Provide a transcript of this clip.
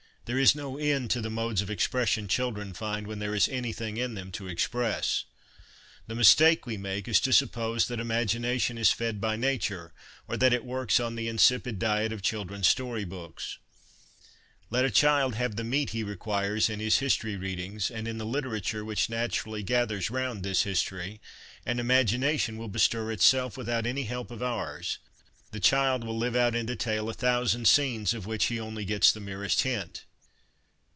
There is no end to the modes of expression children find when there is anything in them to express. The mistake we make is to suppose that imagina tion is fed by nature, or that it works on the insipid diet of children's story books. Let a child have the LESSONS AS INSTRUMENTS OF EDUCATION 295 meat he requires in his history readings, and in the literature which naturally gathers round this history, and imagination will bestir itself without any help of ours ; the child will live out in detail a thousand scenes of which he only gets the merest hint.